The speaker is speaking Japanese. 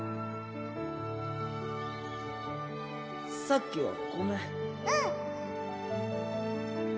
さっきはごめんうん！